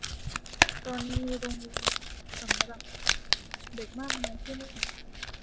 ตอนนี้มีโรงเรียนสำหรับเด็กมากมายที่นี้